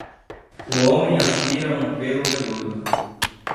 O homem aspira um pêlo peludo.